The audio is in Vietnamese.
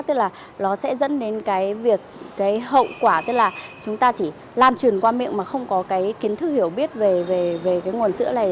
tức là nó sẽ dẫn đến cái hậu quả tức là chúng ta chỉ lan truyền qua miệng mà không có kiến thức hiểu biết về nguồn sữa này